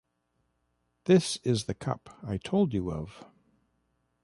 This is the cup I told you of.